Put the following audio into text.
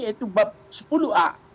yaitu bab sepuluh a